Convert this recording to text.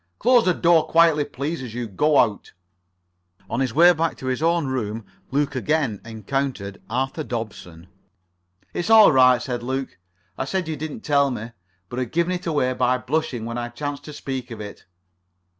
Close the door quietly, please, as you go out." [Pg 43]On his way back to his own room Luke again encountered Arthur Dobson. "It's all right," said Luke, "I said you didn't tell me, but had given it away by blushing when I chanced to speak of it."